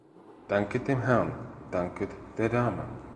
Danket dem Herrn, danket der Dame!